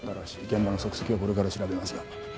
現場の足跡はこれから調べますが。